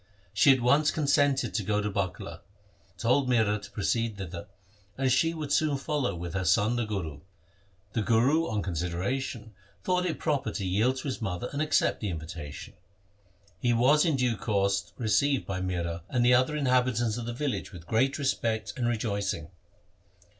She at once consented to go to Bakala, told Mihra to proceed thither, and she would soon follow with her son the Guru. The Guru, on consideration, thought it proper to yield to his mother and accept the invitation. He was in due course received by Mihra and the other inhabitants of the village with great respect and rejoicing.